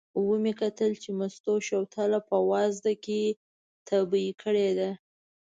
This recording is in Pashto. و یې کتل چې مستو شوتله په وازده کې تبی کړې ده.